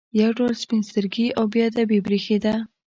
یو ډول سپین سترګي او بې ادبي برېښېده.